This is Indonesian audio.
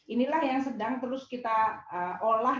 inilah yang sedang terus kita olah